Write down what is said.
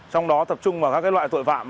trong đó tập trung vào các loại tội phạm